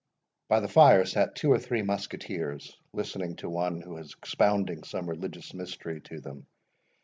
By the fire sat two or three musketeers, listening to one who was expounding some religious mystery to them.